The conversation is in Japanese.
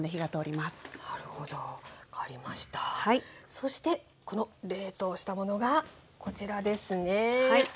そしてこの冷凍したものがこちらですね。